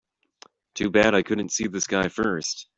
Too bad I couldn't see this guy first.